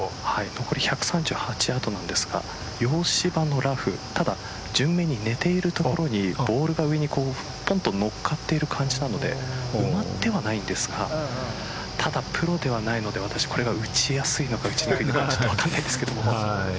残り１３８ヤードなんですが洋芝のラフただ順目に寝ている所にボールが上にぽんと乗っかっている感じなので埋まってはないんですがただ、プロではないので打ちやすいのか打ちにくいのか分からないですけど。